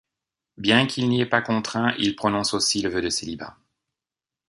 Bien qu'il n'y est pas contraint, il prononce aussi le vœu de célibat.